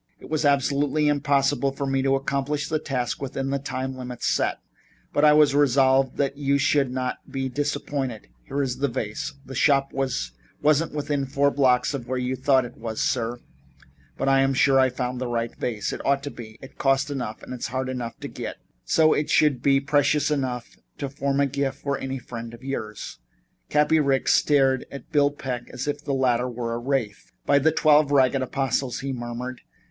It was absolutely impossible for me to accomplish the task within the time limit set, but I was resolved that you should not be disappointed. Here is the vase. The shop wasn't within four blocks of where you thought it was, sir, but I'm sure I found the right vase. It ought to be. It cost enough and was hard enough to get, so it should be precious enough to form a gift for any friend of yours." Cappy Ricks stared at Bill Peck as if the latter were a wraith. "By the Twelve Ragged Apostles!" he murmured.